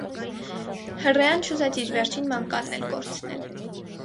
Հռեան չուզեց իր վերջին մանկանն էլ կորցնել։